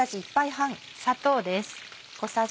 砂糖です。